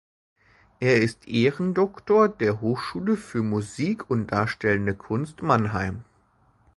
Er ist Ehrendoktor der Hochschule für Musik und Darstellende Kunst Mannheim.